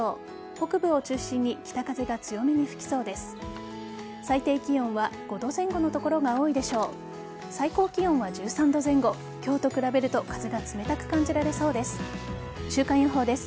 北部を中心に北風が強めに吹きそうです。